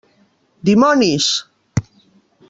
Dimonis!